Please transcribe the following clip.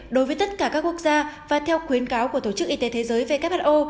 đối với tất cả các quốc gia và theo khuyến cáo của tổ chức y tế thế giới who